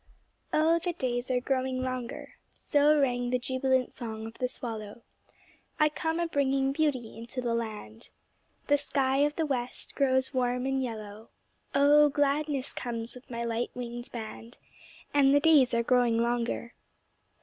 Oh, the days are growing longer; So rang the jubilant song of the swallow; I come a bringing beauty into the land, The sky of the West grows warm and yellow, Oh, gladness comes with my light winged band, And the days are growing longer.